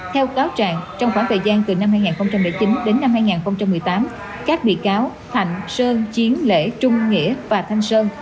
theo cáo trạng trong khoảng thời gian từ năm hai nghìn chín đến năm hai nghìn một mươi tám các bị cáo thạnh sơn chiến lễ trung nghĩa và thanh sơn